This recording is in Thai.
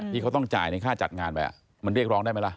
ที่เขาต้องจ่ายในค่าจัดงานไปมันเรียกร้องได้ไหมล่ะ